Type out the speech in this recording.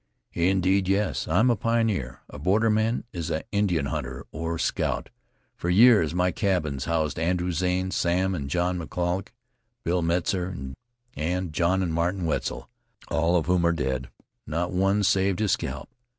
"Indeed, yes. I am a pioneer; a borderman is an Indian hunter, or scout. For years my cabins housed Andrew Zane, Sam and John McCollock, Bill Metzar, and John and Martin Wetzel, all of whom are dead. Not one saved his scalp.